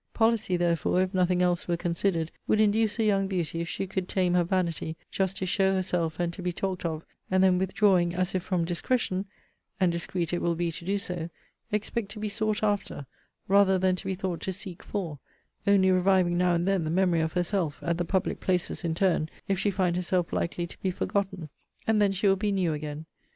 Policy, therefore, if nothing else were considered, would induce a young beauty, if she could tame her vanity, just to show herself, and to be talked of, and then withdrawing, as if from discretion, (and discreet it will be to do so,) expect to be sought after, rather than to be thought to seek for; only reviving now and then the memory of herself, at the public places in turn, if she find herself likely to be forgotten; and then she will be new again.